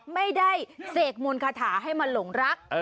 ไม่ได้เสกมนต์คาถาให้มาหลงรัก